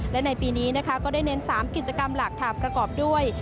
และในปีนี้นะคะก็ได้เน้น๓กิจกรรมหลักค่ะประกอบด้วย